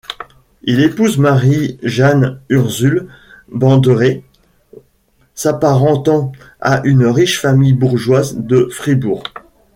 Il épouse Marie-Jeanne-Ursule Banderet, s’apparentant à une riche famille bourgeoise de Fribourg.